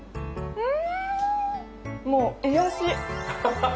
うん！